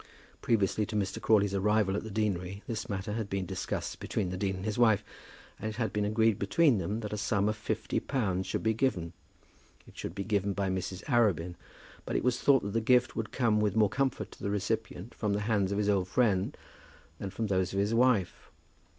Previously to Mr. Crawley's arrival at the deanery this matter had been discussed between the dean and his wife, and it had been agreed between them that a sum of fifty pounds should be given. It should be given by Mrs. Arabin, but it was thought that the gift would come with more comfort to the recipient from the hands of his old friend than from those of his wife.